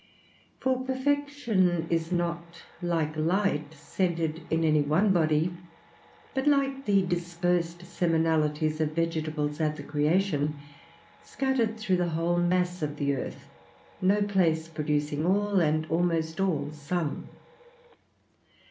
For perfection is not, like light, centred in any one body; but, like the dispersed seminalities of vegetables at the creation, scattered through the whole mass of the earth, no place producing all, and almost all some.